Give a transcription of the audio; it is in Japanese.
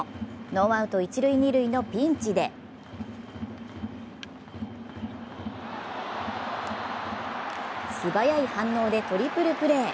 ノーアウト一塁・二塁のピンチで素早い反応でトリプルプレー。